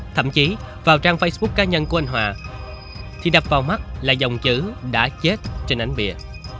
thậm chí vào trang facebook cá nhân của anh hòa thì đập vào mắt là dòng chữ đã chết trên ánh bìa